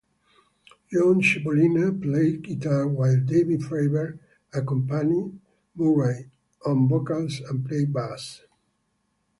John Cippolina played guitar while David Freiberg accompanied Murray on vocals and played bass.